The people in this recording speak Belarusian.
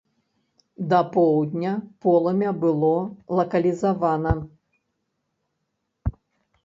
Да поўдня полымя было лакалізавана.